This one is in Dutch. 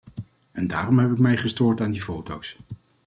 En daarom heb ik mij gestoord aan die foto's.